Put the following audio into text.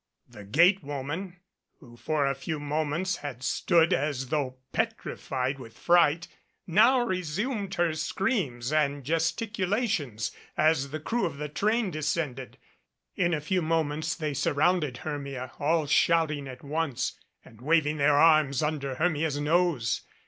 The gate woman, who for a few moments had stood as though petrified with fright, now resumed her screams and gesticulations as the crew of the train descended. In a few moments they surrounded Hermia, all shouting at once, and waving their arms under Hermia's nose.